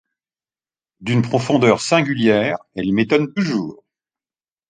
D'une profondeur singulière, elle m'étonne toujours.